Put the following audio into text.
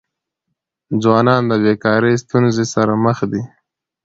ځوانان د بيکاری ستونزې سره مخ دي.